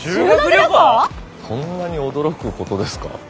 そんなに驚くことですか？